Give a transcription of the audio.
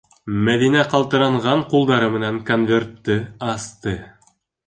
Мәҙинә ҡалтыранған ҡулдары менән конвертты асты.